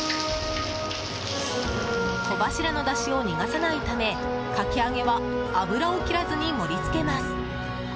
小柱のだしを逃さないためかき揚げは油を切らずに盛り付けます。